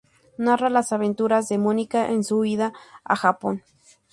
Narra las aventuras de Mónica en su huida a Japón.